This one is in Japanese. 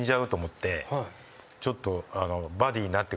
ちょっと。